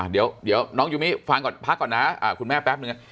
เดี๋ยวน้องยูมิฟังก่อนพักก่อนนะคุณแม่แป๊บนึง